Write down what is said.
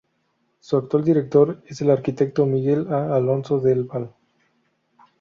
Su actual director es el arquitecto Miguel A. Alonso del Val.